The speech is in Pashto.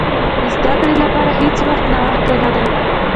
د زده کړې لپاره هېڅ وخت ناوخته نه دی.